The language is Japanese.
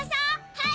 はい！